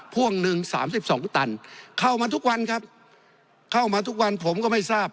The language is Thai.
พ่วงหนึ่งสามสิบสองตันเข้ามาทุกวันครับเข้ามาทุกวันผมก็ไม่ทราบ